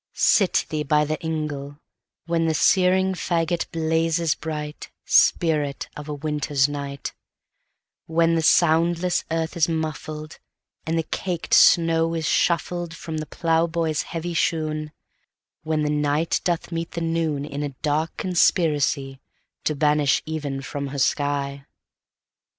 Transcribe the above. Sit thee by the ingle, whenThe sear faggot blazes bright, Spirit of a winter's night; When the soundless earth is muffled, And the caked snow is shuffledFrom the ploughboy's heavy shoon; When the Night doth meet the NoonIn a dark conspiracyTo banish Even from her sky.